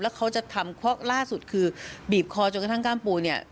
แล้วเขาจะทำล่าสุดคือบีบคอจนกระทั่งกล้ามปูเนี่ย